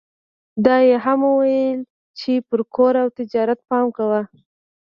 دا يې هم وويل چې پر کور او تجارت پام کوه.